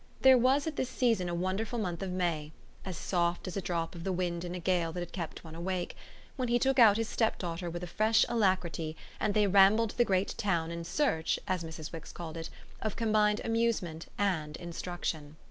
There was at this season a wonderful month of May as soft as a drop of the wind in a gale that had kept one awake when he took out his stepdaughter with a fresh alacrity and they rambled the great town in search, as Mrs. Wix called it, of combined amusement and instruction.